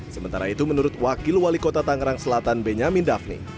sementara itu menurut wakil wali kota tangerang selatan benyamin daphne